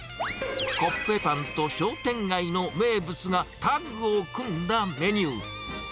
コッペパンと商店街の名物が、タッグを組んだメニュー。